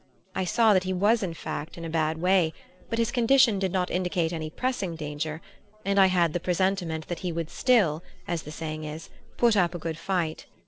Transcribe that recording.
I saw that he was in fact in a bad way, but his condition did not indicate any pressing danger, and I had the presentiment that he would still, as the saying is, put up a good fight.